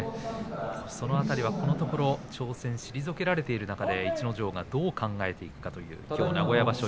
その辺りはこのところ挑戦が退けられている中で逸ノ城はどう考えていくかという名古屋場所